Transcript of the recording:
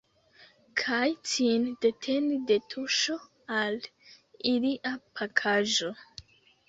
Kaj cin deteni de tuŝo al ilia pakaĵo.